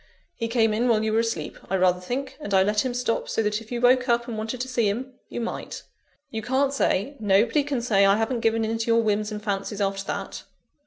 He came in while you were asleep, I rather think; and I let him stop, so that if you woke up and wanted to see him, you might. You can't say nobody can say I haven't given in to your whims and fancies after that.